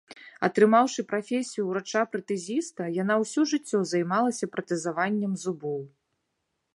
Атрымаўшы прафесію ўрача-пратэзіста, яна ўсё жыццё займалася пратэзаваннем зубоў.